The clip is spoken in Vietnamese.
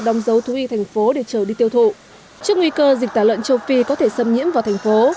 đóng dấu thú y thành phố để trở đi tiêu thụ trước nguy cơ dịch tả lợn châu phi có thể xâm nhiễm vào thành phố